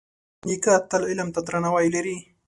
نیکه تل علم ته درناوی لري.